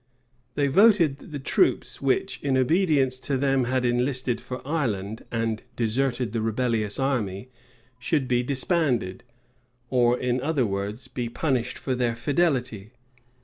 They voted, that the troops which, in obedience to them had enlisted for Ireland, and deserted the rebellious army, should be disbanded, or, in other words, be punished for their fidelity.